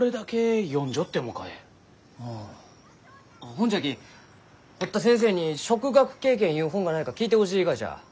ほんじゃき堀田先生に「植学啓原」ゆう本がないか聞いてほしいがじゃ。